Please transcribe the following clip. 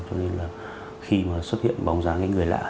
cho nên là khi mà xuất hiện bóng dáng cái người lạ